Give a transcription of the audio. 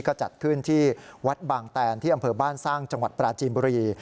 ก็จัดขึ้นที่วัดบางแตนที่อำเภอบ้านสร้างจังหวัดปราจีนบุรี